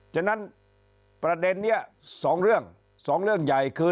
อ๋ออ๋อฉะนั้นประเด็นนี้สองเรื่องสองเรื่องใหญ่คือ